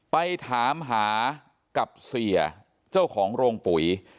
ไปถามหากับเสียเจ้าของโรงปุ๋ย